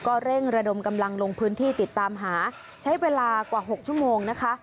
ก็เร่งระดมกำลังลงพื้นที่ติดตามหาใช้เวลากว่า๖ชั่วโมงนะคะ